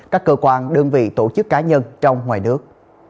các cơ quan đơn vị tổ chức cá nhân trong ngoài nước